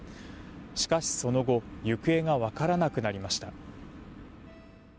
しかし、その後行方が分からなくなりました。